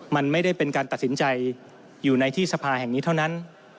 มันไม่ได้เป็นการตัดสินใจอยู่ในที่สภาแห่งนี้เท่านั้น